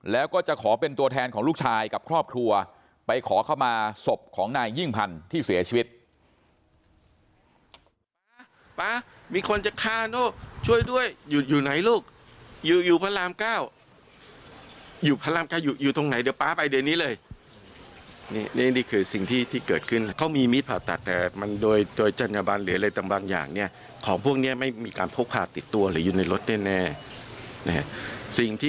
แล้วก็จะขอเป็นตัวแทนของลูกชายกับครอบครัวไปขอเข้ามาศพของนายยิ่งพันธุ์ที่เสียชีวิต